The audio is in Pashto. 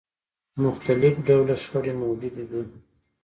مختلف ډوله شخړې موجودې دي.